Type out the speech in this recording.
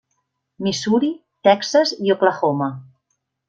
Missouri, Texas i Oklahoma.